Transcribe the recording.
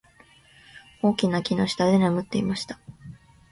大きな木の下で眠っていました。